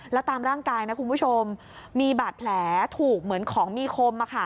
แล้วตามร่างกายนะคุณผู้ชมมีบาดแผลถูกเหมือนของมีคม